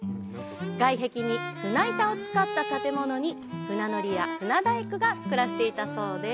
外壁に船板を使った建物に船乗りや船大工が暮らしていたそうです。